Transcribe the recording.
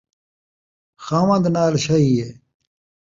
خاون٘د نال شاہی ہے